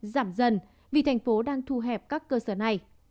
giảm dần vì thành phố đang thu hẹp các cơ sở này